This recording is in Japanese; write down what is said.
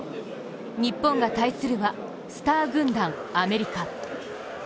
日本が対するは、スター軍団・アメリカ。